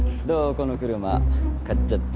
この車買っちゃった。